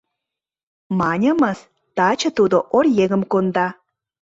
Маньымыс: таче тудо оръеҥым конда.